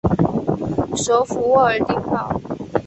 首府沃尔丁堡。